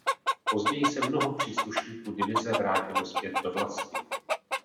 Později se mnoho příslušníků divize vrátilo zpět do vlasti.